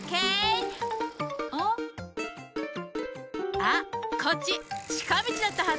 あっこっちちかみちだったはず！